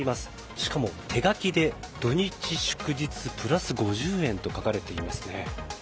しかも手書きで土日祝日プラス５０円と書かれていますね。